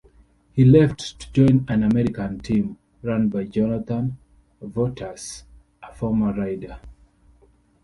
He left to join an American team, run by Jonathan Vaughters, a former rider.